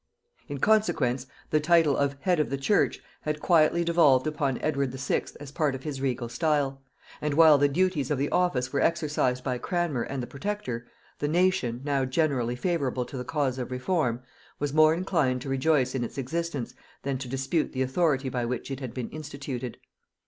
In consequence, the title of Head of the Church had quietly devolved upon Edward VI. as part of his regal style; and while the duties of the office were exercised by Cranmer and the Protector, the nation, now generally favorable to the cause of reform, was more inclined to rejoice in its existence than to dispute the authority by which it had been instituted.